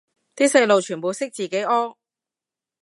啲細路全部識自己屙